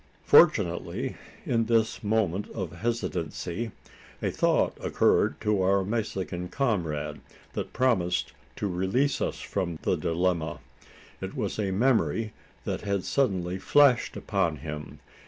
Fortunately, in this moment of hesitancy, a thought occurred to our Mexican comrade, that promised to release us from the dilemma. It was a memory that had suddenly flashed upon him.